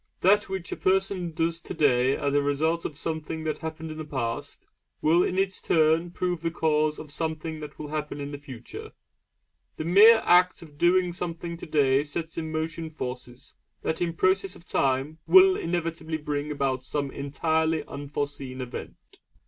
That which a person does today as a result of something that happened in the past, will in its turn prove the cause of something that will happen at some future date. The mere act of doing something today sets in motion forces that in process of time will inevitably bring about some entirely unforeseen event.